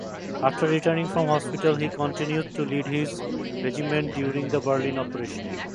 After returning from hospital he continued to lead his regiment during the Berlin operation.